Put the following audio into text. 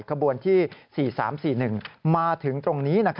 ขบวนที่๔๓๔๑มาถึงตรงนี้